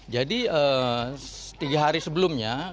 jadi tiga hari sebelumnya